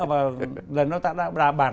và lần đó ta đã bàn